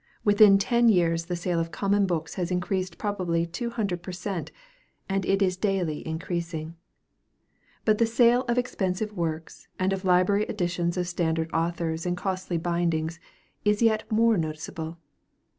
Within ten years the sale of common books has increased probably two hundred per cent., and it is daily increasing. But the sale of expensive works, and of library editions of standard authors in costly bindings, is yet more noticeable.